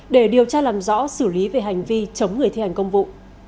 để điều tra làm rõ xử lý về hành vi chống người thi hành công vụ